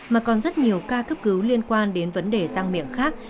mà còn rất nhiều ca cấp cứu liên quan đến vấn đề răng miệng khác